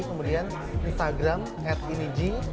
kemudian instagram at inij